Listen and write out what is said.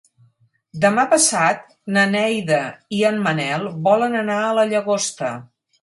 Demà passat na Neida i en Manel volen anar a la Llagosta.